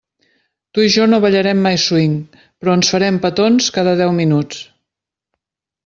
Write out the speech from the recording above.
Tu i jo no ballarem mai swing, però ens farem petons cada deu minuts.